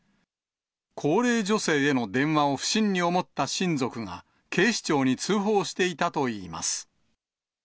高齢女性への電話を不審に思った親族が、警視庁に通報していたといいます。